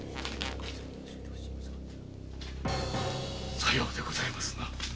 さようでございますな。